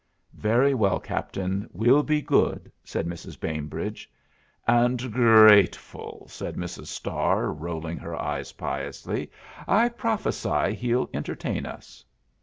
"Very well, Captain, we'll be good," said Mrs. Bainbridge. "And gr r ateful," said Mrs. Starr, rolling her eyes piously. "I prophecy he'll entertain us."